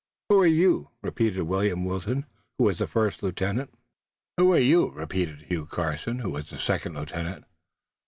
"Who are you?" repeated William Wilton, who was the first lieutenant. "Who are you?" repeated Hugh Carson, who was the second lieutenant.